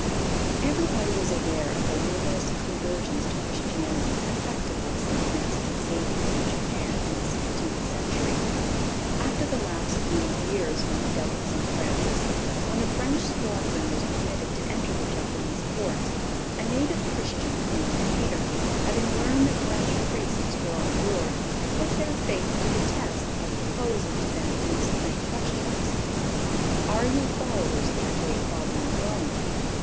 Everybody is aware of the numerous conversions to Christianity effected by St. Francis Xavier in Japan in the sixteenth century. After the lapse of many years from the death of St. Francis, when a French squadron was permitted to enter the Japanese ports, a native Christian, named Peter, having learned that French Priests were on board, put their faith to the test by proposing to them these three questions: "Are you followers of the great Father in Rome?